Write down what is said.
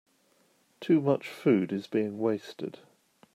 Too much food is being wasted.